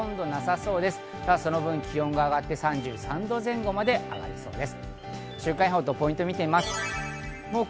その分、気温が上がって３３度前後まで上がりそうです。